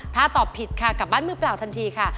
ถ้าตอบผิดค่ะกลับบ้านมือเปล่าทันทีค่ะ